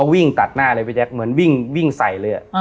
วิ่งตัดหน้าเลยพี่แจ๊คเหมือนวิ่งใส่เลย